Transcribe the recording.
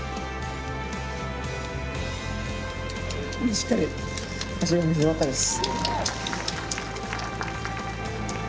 しっかり走りをよかったです。